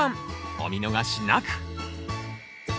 お見逃しなく。